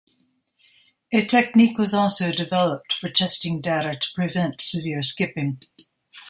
A technique was also developed for testing data to prevent severe skipping.